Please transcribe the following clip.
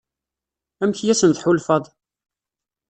Amek i asen-tḥulfaḍ?